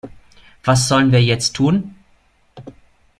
Was sollten wir jetzt tun?